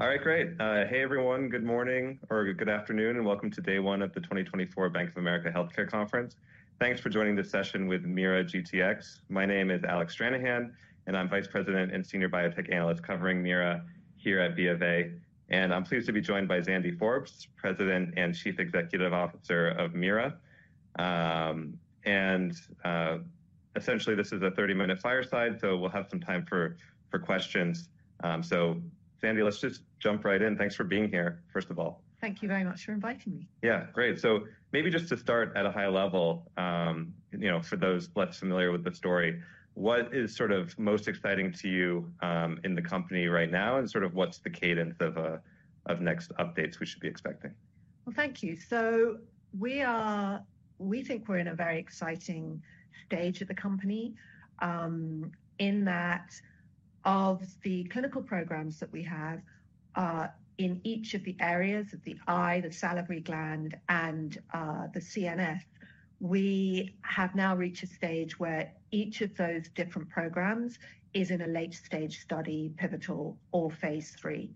All right, great. Hey, everyone. Good morning or good afternoon, and welcome to day one of the 2024 Bank of America Healthcare Conference. Thanks for joining this session with MeiraGTx. My name is Alec Stranahan, and I'm Vice President and Senior Biotech Analyst covering MeiraGTx here at B of A. And I'm pleased to be joined by Zandy Forbes, President and Chief Executive Officer of MeiraGTx. Essentially, this is a 30-minute fireside, so we'll have some time for questions. So Zandy, let's just jump right in. Thanks for being here, first of all. Thank you very much for inviting me. Yeah, great. So maybe just to start at a high level, you know, for those less familiar with the story, what is sort of most exciting to you, in the company right now, and sort of what's the cadence of next updates we should be expecting? Well, thank you. So we think we're in a very exciting stage of the company, in that of the clinical programs that we have, in each of the areas, of the eye, the salivary gland, and the CNS, we have now reached a stage where each of those different programs is in a late-stage study, pivotal or phase III.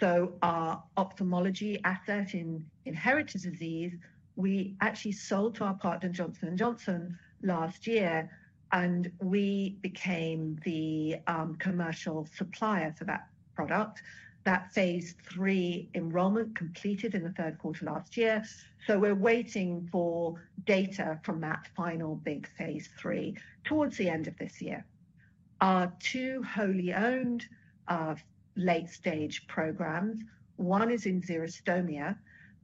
So our ophthalmology asset in inherited disease, we actually sold to our partner, Johnson & Johnson, last year, and we became the commercial supplier for that product. That phase III enrollment completed in the third quarter last year, so we're waiting for data from that final big phase III towards the end of this year. Our two wholly owned late-stage programs, one is in xerostomia,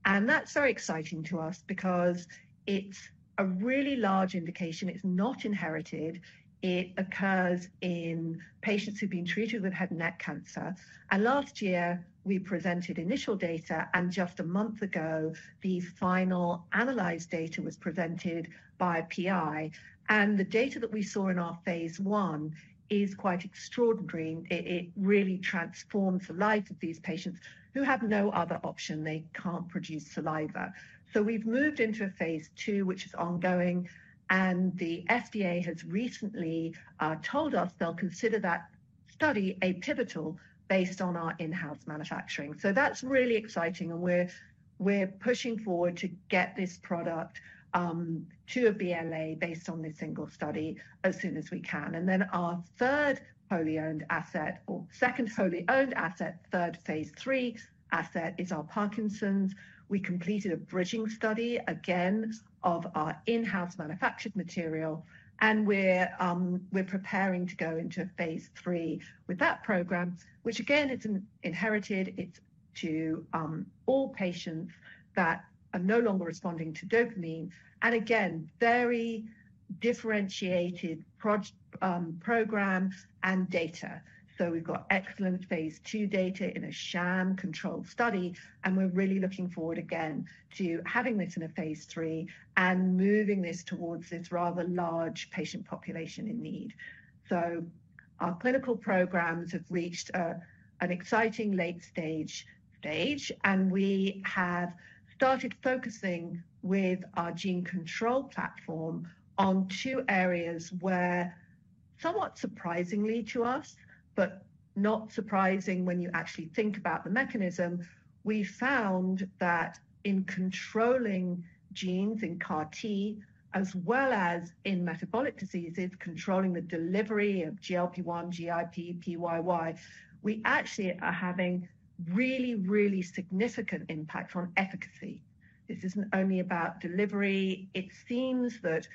and that's very exciting to us because it's a really large indication. It's not inherited. It occurs in patients who've been treated with head and neck cancer. Last year, we presented initial data, and just a month ago, the final analyzed data was presented by PI. The data that we saw in our phase I is quite extraordinary. It really transforms the lives of these patients who have no other option. They can't produce saliva. We've moved into a phase II, which is ongoing, and the FDA has recently told us they'll consider that study a pivotal based on our in-house manufacturing. That's really exciting, and we're pushing forward to get this product to a BLA based on this single study as soon as we can. Then our third wholly owned asset, or second wholly owned asset, third phase III asset, is our Parkinson's. We completed a bridging study, again, of our in-house manufactured material, and we're preparing to go into a phase III with that program, which again, it's inherited. It's to all patients that are no longer responding to dopamine, and again, very differentiated program and data. So we've got excellent phase II data in a sham-controlled study, and we're really looking forward again to having this in a phase III and moving this towards this rather large patient population in need. So our clinical programs have reached an exciting late stage, and we have started focusing with our gene control platform on two areas where, somewhat surprisingly to us, but not surprising when you actually think about the mechanism, we found that in controlling genes in CAR-T, as well as in metabolic diseases, controlling the delivery of GLP-1, GIP, PYY, we actually are having really, really significant impact on efficacy. This isn't only about delivery. It seems that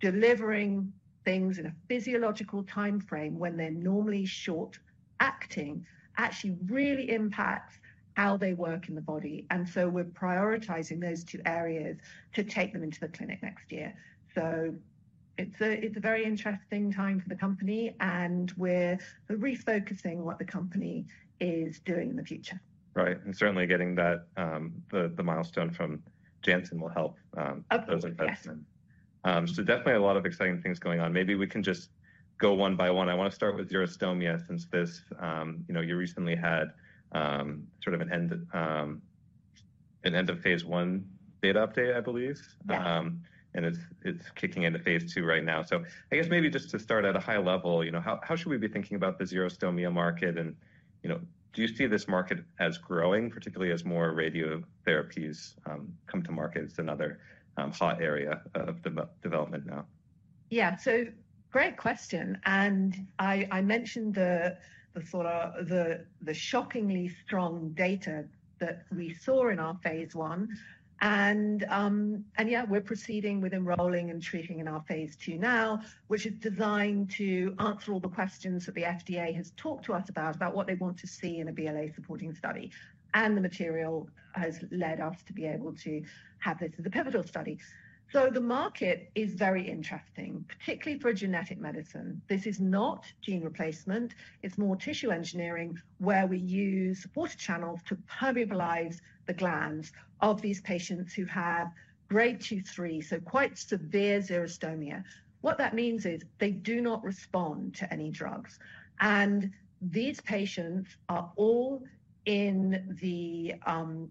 delivering things in a physiological timeframe when they're normally short acting, actually really impacts how they work in the body, and so we're prioritizing those two areas to take them into the clinic next year. So it's a very interesting time for the company, and we're refocusing what the company is doing in the future. Right, and certainly getting that, the milestone from Janssen will help, Absolutely, yes. So definitely a lot of exciting things going on. Maybe we can just go one by one. I want to start with xerostomia, since this, you know, you recently had sort of an end of phase I data update, I believe? Yeah. And it's kicking into phase II right now. So I guess maybe just to start at a high level, you know, how should we be thinking about the xerostomia market? And, you know, do you see this market as growing, particularly as more radiotherapies come to market as another hot area of development now? Yeah. So great question, and I mentioned the sort of shockingly strong data that we saw in our phase I. And yeah, we're proceeding with enrolling and treating in our phase II now, which is designed to answer all the questions that the FDA has talked to us about, about what they want to see in a BLA-supporting study, and the material has led us to be able to have this as a pivotal study. So the market is very interesting, particularly for genetic medicine. This is not gene replacement. It's more tissue engineering, where we use water channels to permeabilize the glands of these patients who have grade two, three, so quite severe xerostomia. What that means is they do not respond to any drugs, and these patients are all in the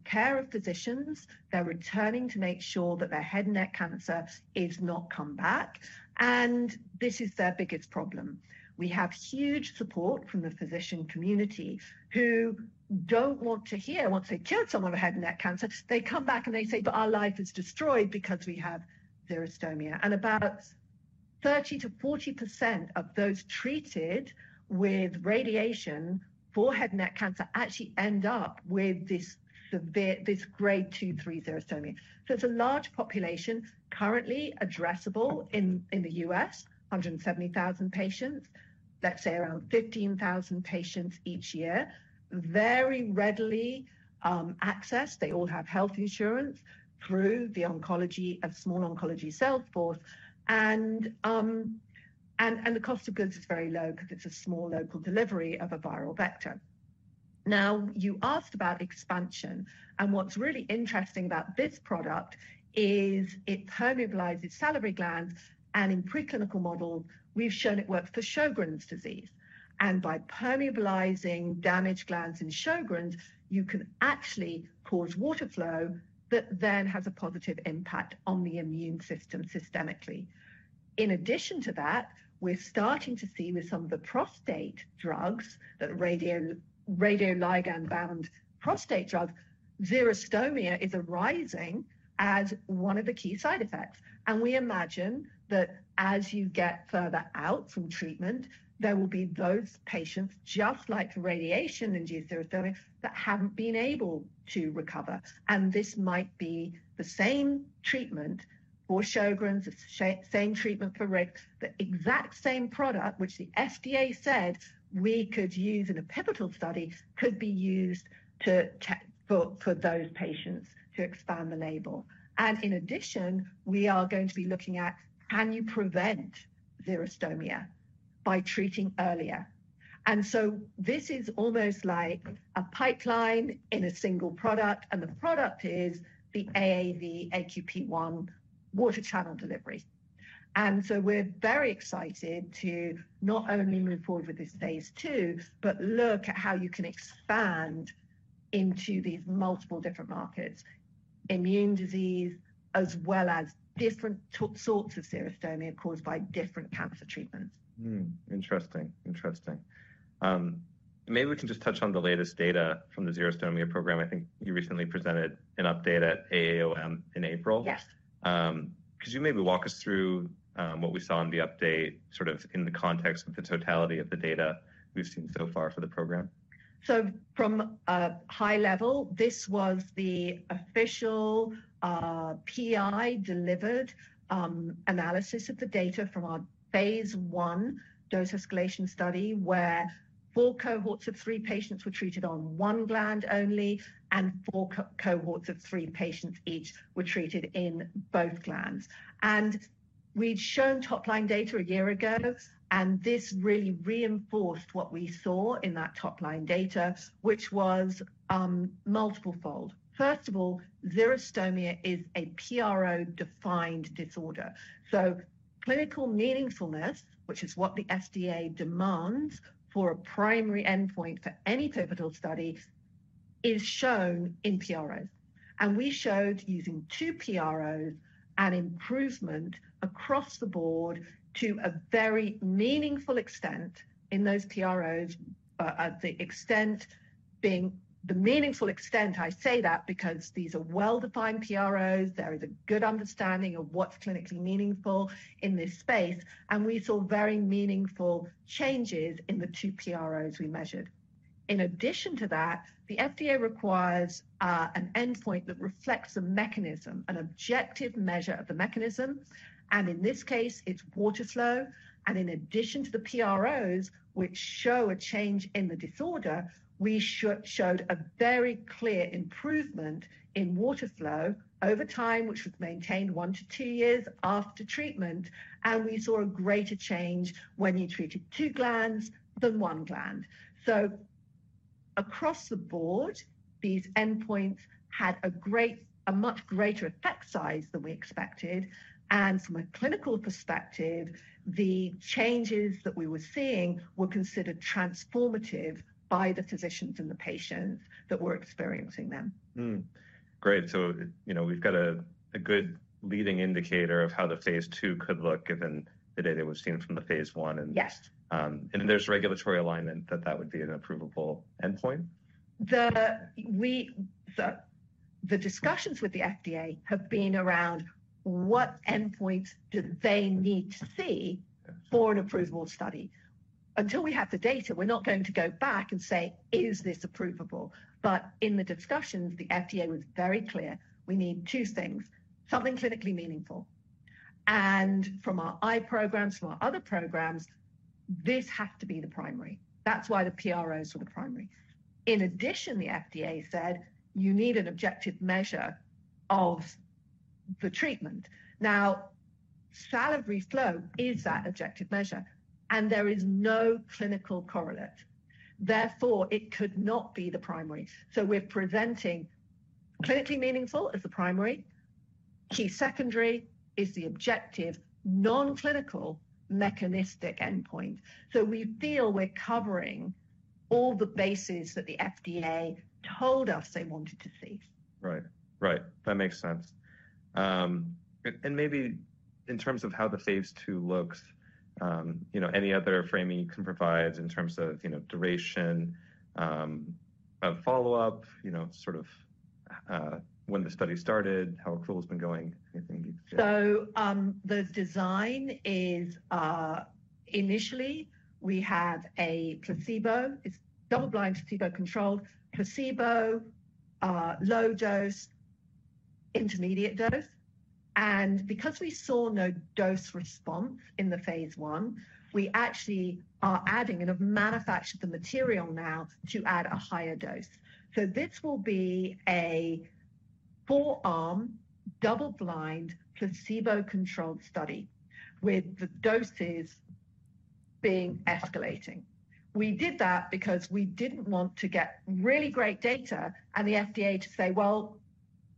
care of physicians. They're returning to make sure that their head and neck cancer is not come back, and this is their biggest problem... We have huge support from the physician community who don't want to hear. Once they've cured someone of head and neck cancer, they come back and they say, "But our life is destroyed because we have xerostomia." And about 30%-40% of those treated with radiation for head and neck cancer actually end up with this grade two, three xerostomia. So it's a large population currently addressable in the U.S., 170,000 patients. Let's say around 15,000 patients each year, very readily accessed. They all have health insurance through the oncology of small oncology sales force, and, and the cost of goods is very low because it's a small local delivery of a viral vector. Now, you asked about expansion, and what's really interesting about this product is it permeabilizes salivary glands, and in preclinical models, we've shown it works for Sjogren's disease. By permeabilizing damaged glands in Sjogren's, you can actually cause water flow that then has a positive impact on the immune system systemically. In addition to that, we're starting to see with some of the prostate drugs, that radioligand-bound prostate drug, xerostomia is arising as one of the key side effects. We imagine that as you get further out from treatment, there will be those patients, just like radiation-induced xerostomia, that haven't been able to recover, and this might be the same treatment for Sjogren's, the same treatment for RIX. The exact same product, which the FDA said we could use in a pivotal study, could be used for those patients to expand the label. In addition, we are going to be looking at, can you prevent xerostomia by treating earlier? And so this is almost like a pipeline in a single product, and the product is the AAV AQP1 water channel delivery. And so we're very excited to not only move forward with this phase II, but look at how you can expand into these multiple different markets, immune disease, as well as different sorts of xerostomia caused by different cancer treatments. Hmm, interesting. Interesting. Maybe we can just touch on the latest data from the xerostomia program. I think you recently presented an update at AAOM in April. Yes. Could you maybe walk us through what we saw in the update, sort of in the context of the totality of the data we've seen so far for the program? From a high level, this was the official PI-delivered analysis of the data from our phase I dose escalation study, where four cohorts of three patients were treated on one gland only, and four cohorts of three patients each were treated in both glands. We'd shown top-line data a year ago, and this really reinforced what we saw in that top-line data, which was multiple fold. First of all, xerostomia is a PRO-defined disorder. Clinical meaningfulness, which is what the FDA demands for a primary endpoint for any pivotal study, is shown in PROs. We showed, using two PROs, an improvement across the board to a very meaningful extent in those PROs, at the extent being the meaningful extent. I say that because these are well-defined PROs. There is a good understanding of what's clinically meaningful in this space, and we saw very meaningful changes in the two PROs we measured. In addition to that, the FDA requires an endpoint that reflects the mechanism, an objective measure of the mechanism, and in this case, it's water flow. In addition to the PROs, which show a change in the disorder, we showed a very clear improvement in water flow over time, which was maintained one-two years after treatment, and we saw a greater change when you treated two glands than one gland. So across the board, these endpoints had a much greater effect size than we expected, and from a clinical perspective, the changes that we were seeing were considered transformative by the physicians and the patients that were experiencing them. Hmm, great. So, you know, we've got a good leading indicator of how the phase II could look, given the data we've seen from the phase I and- Yes. There's regulatory alignment that that would be an approvable endpoint? The discussions with the FDA have been around what endpoint do they need to see for an approvable study. Until we have the data, we're not going to go back and say: Is this approvable? But in the discussions, the FDA was very clear we need two things: something clinically meaningful, and from our eye programs, from our other programs, this has to be the primary. That's why the PROs were the primary. In addition, the FDA said you need an objective measure of the treatment. Now, salivary flow is that objective measure, and there is no clinical correlate. Therefore, it could not be the primary. So we're presenting clinically meaningful as the primary. Key secondary is the objective, non-clinical, mechanistic endpoint. So we feel we're covering... all the bases that the FDA told us they wanted to see. Right. Right, that makes sense. And maybe in terms of how the phase II looks, you know, any other framing you can provide in terms of, you know, duration, follow-up, you know, sort of, when the study started, how accrual has been going, anything you can share? So, the design is, initially we have a placebo. It's double-blind, placebo-controlled, placebo, low dose, intermediate dose. And because we saw no dose response in the phase I, we actually are adding and have manufactured the material now to add a higher dose. So this will be a four-arm, double-blind, placebo-controlled study with the doses being escalating. We did that because we didn't want to get really great data and the FDA to say, "Well,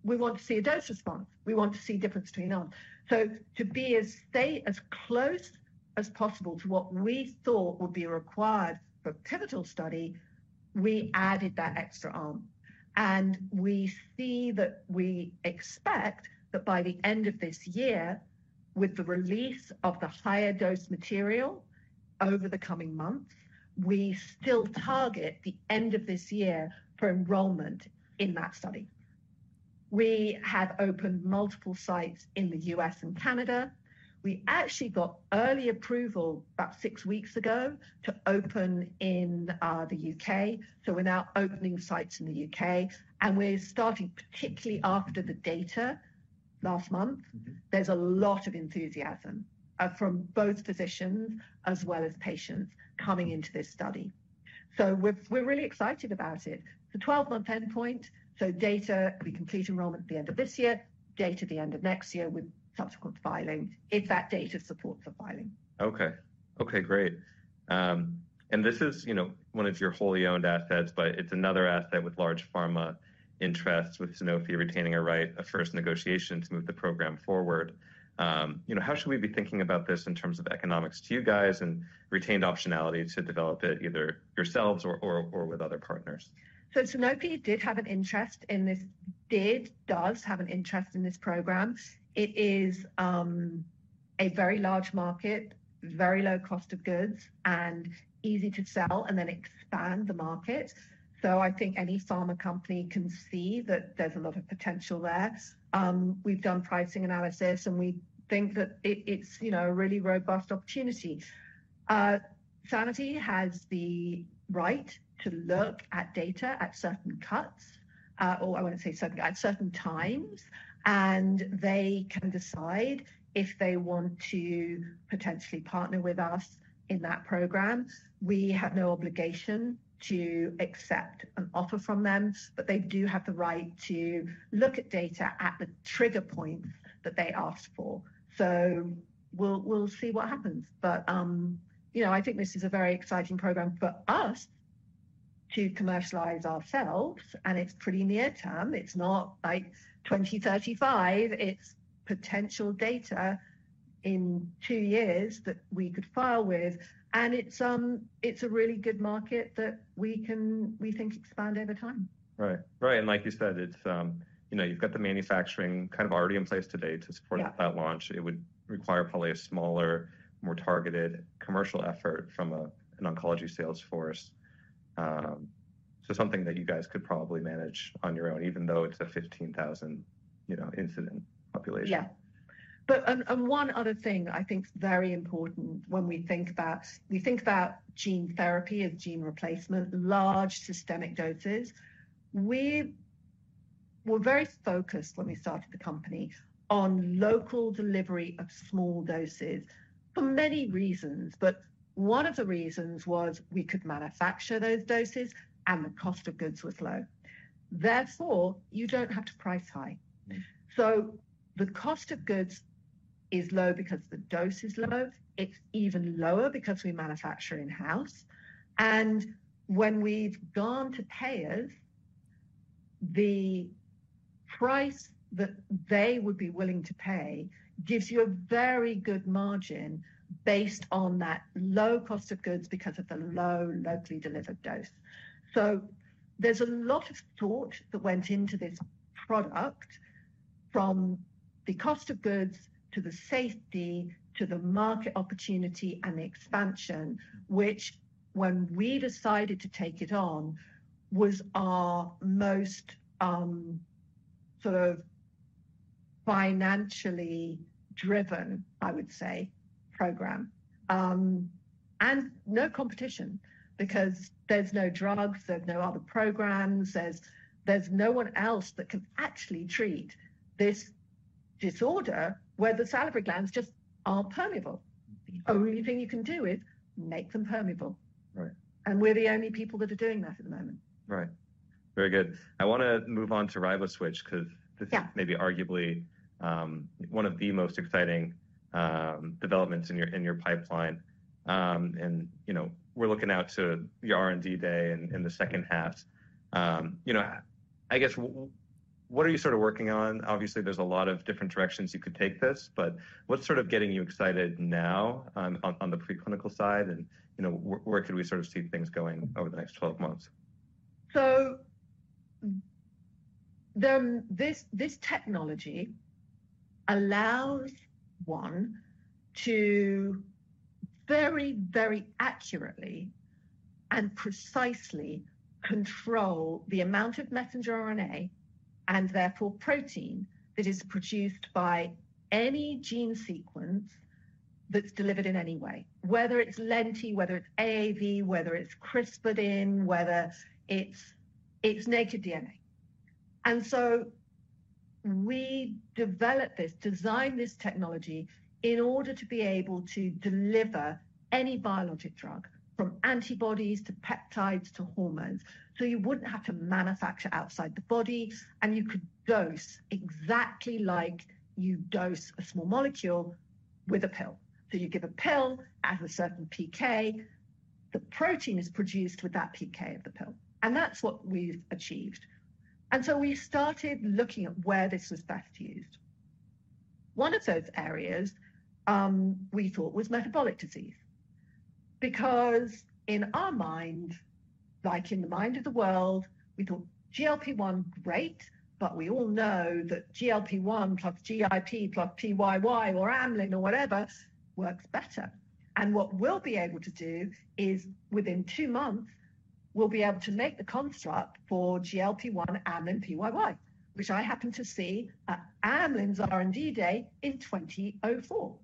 we want to see a dose response. We want to see difference between arms. So to stay as close as possible to what we thought would be required for a pivotal study, we added that extra arm, and we see that we expect that by the end of this year, with the release of the higher dose material over the coming months, we still target the end of this year for enrollment in that study. We have opened multiple sites in the U.S. and Canada. We actually got early approval about six weeks ago to open in the U.K., so we're now opening sites in the U.K., and we're starting, particularly after the data last month- Mm-hmm. There's a lot of enthusiasm from both physicians as well as patients coming into this study. So we're really excited about it. The 12-month endpoint, so data, we complete enrollment at the end of this year, data at the end of next year, with subsequent filings, if that data supports the filing. Okay. Okay, great. And this is, you know, one of your wholly owned assets, but it's another asset with large pharma interests, with Sanofi retaining a right of first negotiation to move the program forward. You know, how should we be thinking about this in terms of economics to you guys and retained optionality to develop it either yourselves or, or, or with other partners? So Sanofi does have an interest in this program. It is a very large market, very low cost of goods, and easy to sell and then expand the market. So I think any pharma company can see that there's a lot of potential there. We've done pricing analysis, and we think that it, it's, you know, a really robust opportunity. Sanofi has the right to look at data at certain cuts, or I want to say certain, at certain times, and they can decide if they want to potentially partner with us in that program. We have no obligation to accept an offer from them, but they do have the right to look at data at the trigger points that they ask for. So we'll see what happens. But, you know, I think this is a very exciting program for us to commercialize ourselves, and it's pretty near term. It's not like 2035. It's potential data in two years that we could file with, and it's a really good market that we can, we think, expand over time. Right. Right, and like you said, it's, you know, you've got the manufacturing kind of already in place today to support- Yeah. ...that launch. It would require probably a smaller, more targeted commercial effort from an oncology sales force. So something that you guys could probably manage on your own, even though it's a 15,000, you know, incident population. Yeah. But one other thing I think is very important when we think about gene therapy and gene replacement, large systemic doses. We were very focused when we started the company on local delivery of small doses, for many reasons, but one of the reasons was we could manufacture those doses and the cost of goods was low. Therefore, you don't have to price high. Mm-hmm. So the cost of goods is low because the dose is low. It's even lower because we manufacture in-house, and when we've gone to payers, the price that they would be willing to pay gives you a very good margin based on that low cost of goods because of the low locally delivered dose. So there's a lot of thought that went into this product, from the cost of goods to the safety, to the market opportunity and the expansion, which, when we decided to take it on, was our most, sort of financially driven, I would say, program. And no competition, because there's no drugs, there's no other programs, there's, there's no one else that can actually treat this disorder where the salivary glands just aren't permeable. The only thing you can do is make them permeable. Right. We're the only people that are doing that at the moment. Right. Very good. I want to move on to Riboswitch, because- Yeah.... this is maybe arguably one of the most exciting developments in your, in your pipeline. And, you know, we're looking out to the R&D day in the second half. You know, I guess what are you sort of working on? Obviously, there's a lot of different directions you could take this, but what's sort of getting you excited now on the preclinical side? And, you know, where can we sort of see things going over the next 12 months? So, then this, this technology allows one to very, very accurately and precisely control the amount of messenger RNA, and therefore protein, that is produced by any gene sequence that's delivered in any way. Whether it's lenti, whether it's AAV, whether it's CRISPRed in, whether it's naked DNA. And so we developed this, designed this technology in order to be able to deliver any biologic drug, from antibodies, to peptides, to hormones. So you wouldn't have to manufacture outside the body, and you could dose exactly like you dose a small molecule with a pill. So you give a pill at a certain PK, the protein is produced with that PK of the pill, and that's what we've achieved. And so we started looking at where this was best used. One of those areas, we thought was metabolic disease. Because in our mind, like in the mind of the world, we thought GLP-1, great, but we all know that GLP-1 plus GIP, plus PYY, or Amylin, or whatever, works better. And what we'll be able to do is, within two months, we'll be able to make the construct for GLP-1, Amylin, PYY, which I happened to see at Amylin's R&D day in 2004,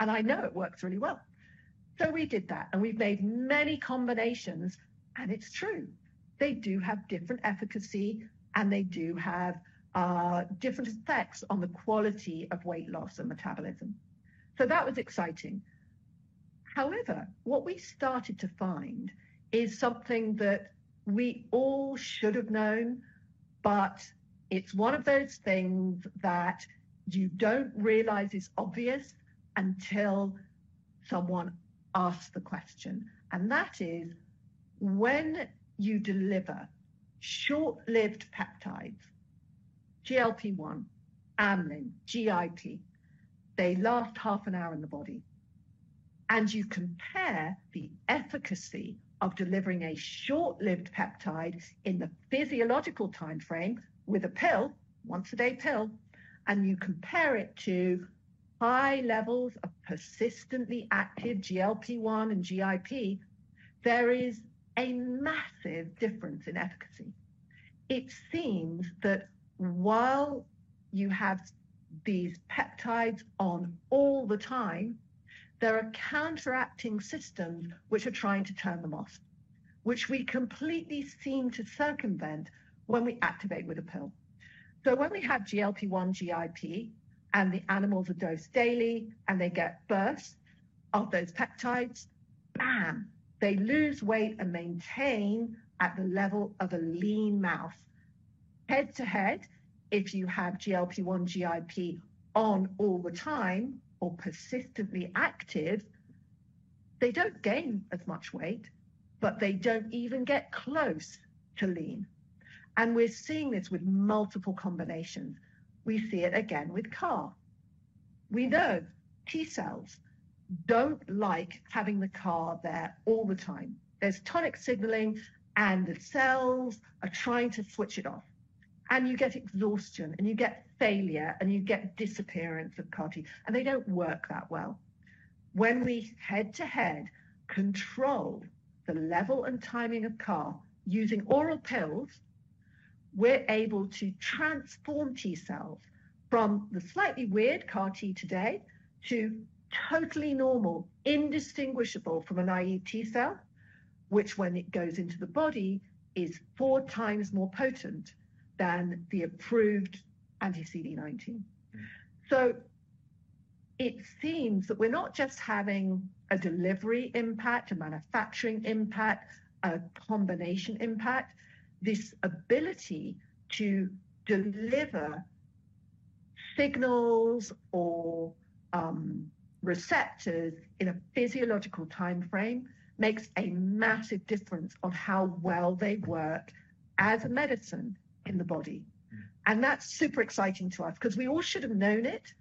and I know it works really well. So we did that, and we've made many combinations, and it's true, they do have different efficacy, and they do have different effects on the quality of weight loss and metabolism. So that was exciting. However, what we started to find is something that we all should have known, but it's one of those things that you don't realize is obvious until someone asks the question. And that is, when you deliver short-lived peptides, GLP-1, Amylin, GIP, they last half an hour in the body. And you compare the efficacy of delivering a short-lived peptide in the physiological timeframe with a pill, once-a-day pill, and you compare it to high levels of persistently active GLP-1 and GIP, there is a massive difference in efficacy. It seems that while you have these peptides on all the time, there are counteracting systems which are trying to turn them off, which we completely seem to circumvent when we activate with a pill. So when we have GLP-1, GIP, and the animals are dosed daily, and they get bursts of those peptides, bam! They lose weight and maintain at the level of a lean mouse. Head-to-head, if you have GLP-1, GIP on all the time or persistently active, they don't gain as much weight, but they don't even get close to lean. And we're seeing this with multiple combinations. We see it again with CAR. We know T-cells don't like having the CAR there all the time. There's tonic signaling, and the cells are trying to switch it off, and you get exhaustion, and you get failure, and you get disappearance of CAR T, and they don't work that well. When we head-to-head control the level and timing of CAR using oral pills, we're able to transform T-cells from the slightly weird CAR T today to totally normal, indistinguishable from an IE T-cell, which, when it goes into the body, is four times more potent than the approved anti-CD19. It seems that we're not just having a delivery impact, a manufacturing impact, a combination impact. This ability to deliver signals or, receptors in a physiological timeframe makes a massive difference on how well they work as a medicine in the body. Mm-hmm. And that's super exciting to us, 'cause we all should have known it,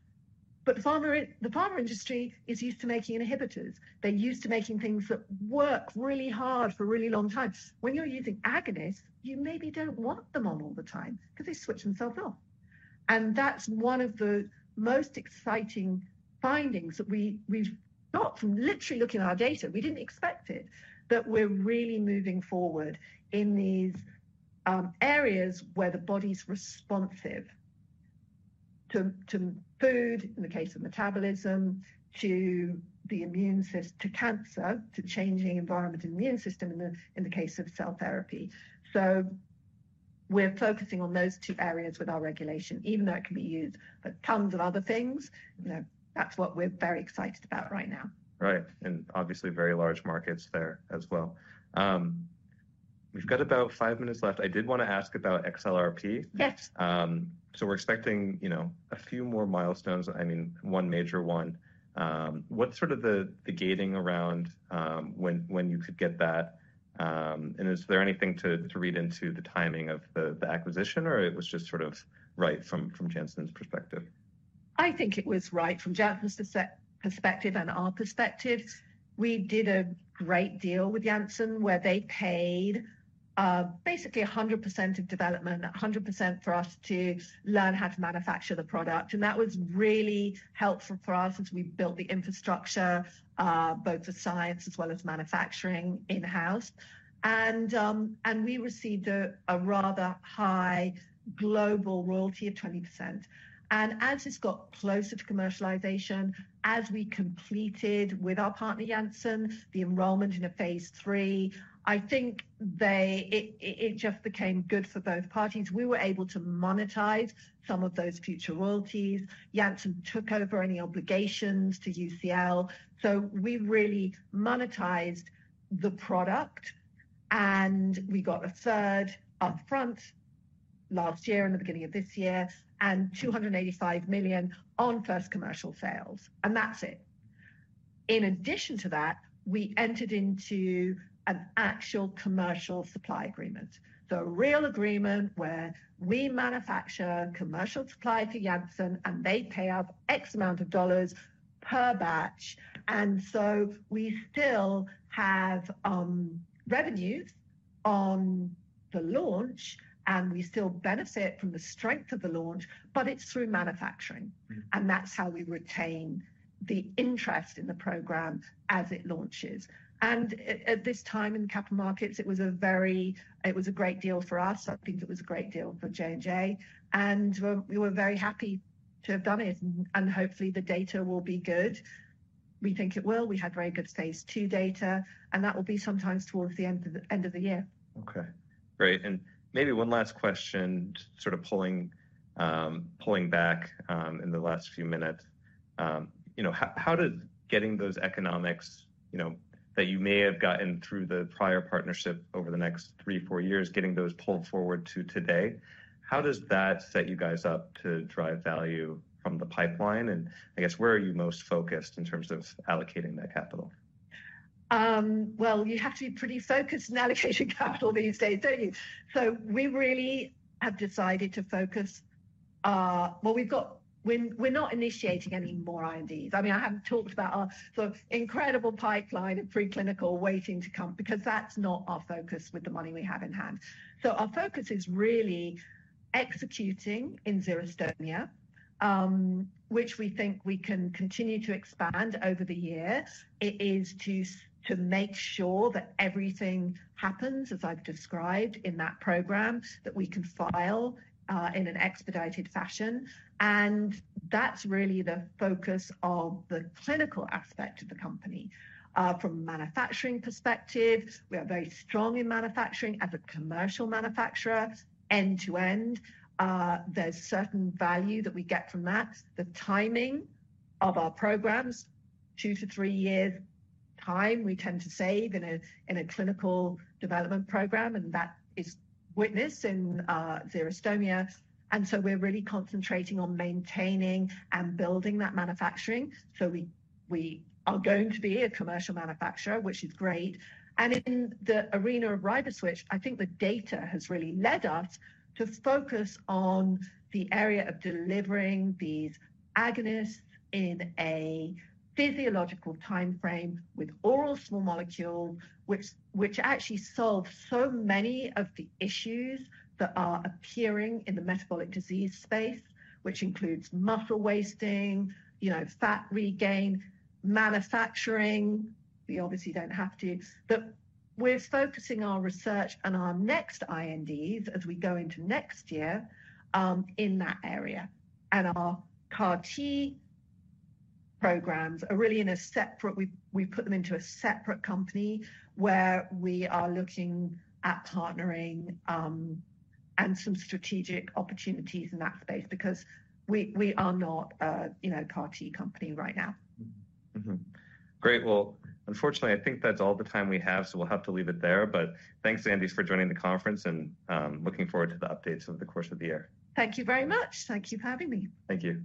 but the pharma industry is used to making inhibitors. They're used to making things that work really hard for really long times. When you're using agonists, you maybe don't want them on all the time because they switch themselves off. And that's one of the most exciting findings that we, we've got from literally looking at our data. We didn't expect it, but we're really moving forward in these areas where the body's responsive to food, in the case of metabolism, to the immune to cancer, to changing environment and immune system in the case of cell therapy. So we're focusing on those two areas with our regulation, even though it can be used for tons of other things. You know, that's what we're very excited about right now. Right, and obviously very large markets there as well. We've got about five minutes left. I did wanna ask about XLRP. Yes. So we're expecting, you know, a few more milestones, I mean, one major one. What's sort of the gating around when you could get that? And is there anything to read into the timing of the acquisition, or it was just sort of right from Janssen's perspective?... I think it was right from Janssen's perspective and our perspective. We did a great deal with Janssen, where they paid basically 100% of development, 100% for us to learn how to manufacture the product, and that was really helpful for us as we built the infrastructure both for science as well as manufacturing in-house. And we received a rather high global royalty of 20%. And as it got closer to commercialization, as we completed with our partner, Janssen, the enrollment in a phase III, I think it just became good for both parties. We were able to monetize some of those future royalties. Janssen took over any obligations to UCL, so we really monetized the product, and we got a third upfront last year and the beginning of this year, and $285 million on first commercial sales, and that's it. In addition to that, we entered into an actual commercial supply agreement, so a real agreement where we manufacture commercial supply to Janssen, and they pay us X amount of dollars per batch. So we still have revenues on the launch, and we still benefit from the strength of the launch, but it's through manufacturing. Mm-hmm. That's how we retain the interest in the program as it launches. And at this time in capital markets, it was a very... It was a great deal for us. I think it was a great deal for J&J, and we were very happy to have done it, and hopefully, the data will be good. We think it will. We had very good phase II data, and that will be sometime towards the end of the year. Okay, great. And maybe one last question, sort of pulling back, in the last few minutes. You know, how, how did getting those economics, you know, that you may have gotten through the prior partnership over the next three-four years, getting those pulled forward to today, how does that set you guys up to drive value from the pipeline? And I guess, where are you most focused in terms of allocating that capital? Well, you have to be pretty focused in allocating capital these days, don't you? So we really have decided to focus. Well, we've got-- we're, we're not initiating any more INDs. I mean, I haven't talked about our, the incredible pipeline at preclinical waiting to come because that's not our focus with the money we have in hand. So our focus is really executing in xerostomia, which we think we can continue to expand over the years. It is to to make sure that everything happens as I've described in that program, that we can file in an expedited fashion, and that's really the focus of the clinical aspect of the company. From a manufacturing perspective, we are very strong in manufacturing as a commercial manufacturer, end-to-end. There's certain value that we get from that, the timing of our programs. Two to three years time, we tend to save in a clinical development program, and that is witnessed in xerostomia, and so we're really concentrating on maintaining and building that manufacturing. So we are going to be a commercial manufacturer, which is great. And in the arena of riboswitch, I think the data has really led us to focus on the area of delivering these agonists in a physiological timeframe with oral small molecule, which actually solves so many of the issues that are appearing in the metabolic disease space, which includes muscle wasting, you know, fat regain, manufacturing. We obviously don't have to, but we're focusing our research and our next IND as we go into next year in that area. And our CAR-T programs are really in a separate... We've put them into a separate company, where we are looking at partnering and some strategic opportunities in that space because we are not a, you know, CAR-T company right now. Mm-hmm. Great. Well, unfortunately, I think that's all the time we have, so we'll have to leave it there. But thanks, Andy, for joining the conference and looking forward to the updates over the course of the year. Thank you very much. Thank you for having me. Thank you.